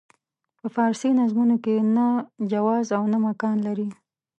په فارسي نظمونو کې نه جواز او نه امکان لري.